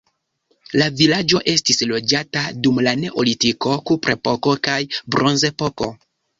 La vilaĝo estis loĝata dum la neolitiko, kuprepoko kaj bronzepoko.